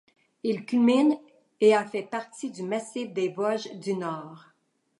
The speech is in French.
Il culmine à et fait partie du massif des Vosges du Nord.